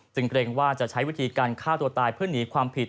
เกรงว่าจะใช้วิธีการฆ่าตัวตายเพื่อหนีความผิด